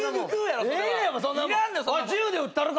やったる！